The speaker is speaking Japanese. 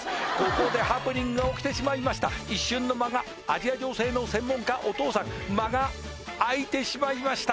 ここでハプニングが起きてしまいました一瞬の間がアジア情勢の専門家お父さん間が空いてしまいました